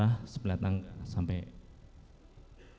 oke jadi yang sepenglihatan saya sampai ke arah dapur